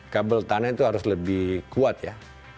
kabel tanah itu harus lebih kuat ya